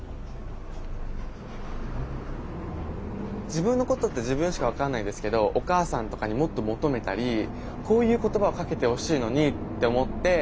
自分のことって自分しか分かんないですけどお母さんとかにもっと求めたりこういう言葉をかけてほしいのにって思って。